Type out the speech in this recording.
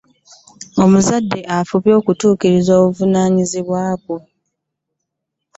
Omuzadde fuba okutukiriza obuvunanyizibwa bwo.